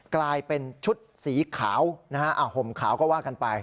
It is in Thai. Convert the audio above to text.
กลายเป็นชุดสีขาวนะฮะห่มขาวก็ว่ากันไป